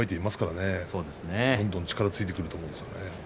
どんどん力がついてくると思います。